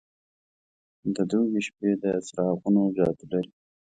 د دوبی شپې د څراغونو جادو لري.